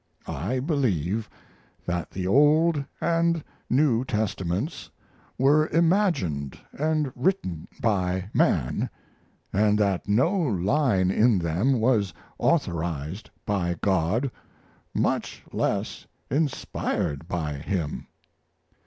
I believe that the Old and New Testaments were imagined and written by man, and that no line in them was authorized by God, much less inspired by Him.